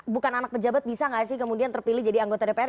bukan anak pejabat bisa nggak sih kemudian terpilih jadi anggota dpr